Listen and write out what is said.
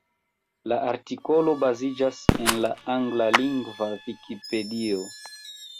La artikolo baziĝas en la anglalingva Vikipedio,